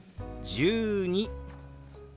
１２。